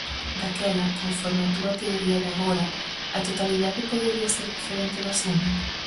Daquela, conforme a túa teoría de agora, a totalidade podería ser diferente da suma?